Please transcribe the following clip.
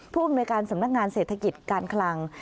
ผู้อำนวยการสำนักงานเศรษฐกิจการคลัง